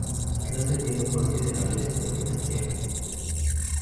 Atlanta tiene un considerable sector financiero.